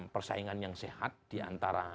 persaingan yang sehat diantara